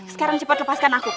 sekarang cepat lepaskan aku